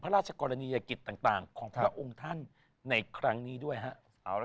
พระราชกรณียกิจต่างของพระองค์ท่านในครั้งนี้ด้วยฮะ